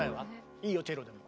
いいよチェロでも。